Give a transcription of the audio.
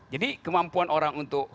jadi kemampuan orang untuk